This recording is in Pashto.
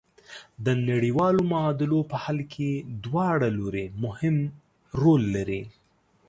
د نړیوالو معادلو په حل کې دواړه لوري مهم رول لري.